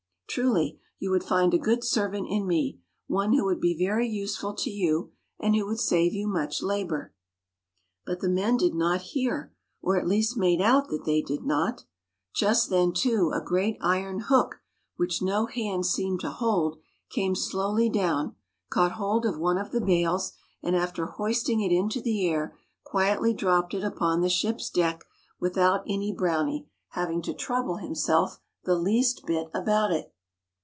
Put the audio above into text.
Truly, you would find a good servant in me, one who would be very use ful to you, and who would save you much labor." But the men did not hear or at least made out that they did not. Just then, too, a great iron hook, which no hand seemed to hold, came slowly down, caught hold of one of the bales, and, after hoisting it into the air, quietly dropped it upon the ship's deck without any brownie having to trouble himself the least bit about it.